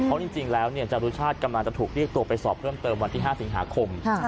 เพราะจริงแล้วจรุชาติกำลังจะถูกเรียกตัวไปสอบเพิ่มเติมวันที่๕สิงหาคม